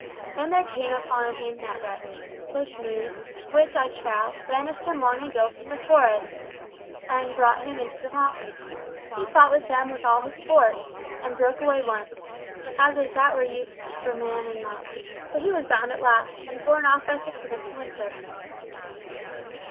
Then there came on him that reckless mood, which, I trow, banished him long ago from the Forest, and brought him to the motley. He fought with them with all his force, and broke away once—as if that were of any use for a man in motley!—but he was bound at last, and borne off by six of them to Windsor!"